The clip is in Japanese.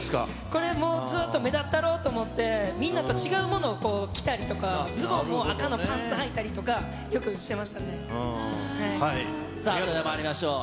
これもう、ずっと目立ったろうと思って、みんなと違うものを着たりとか、ズボンも赤のパンツはいたりとかさあ、それではまいりましょう。